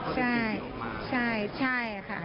เพราะว่าตอนนี้ก็ตอบไม่เหมือนครับ